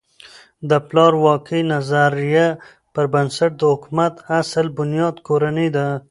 د پلار واکۍ نظریه پر بنسټ د حکومت اصل بنیاد کورنۍ ده.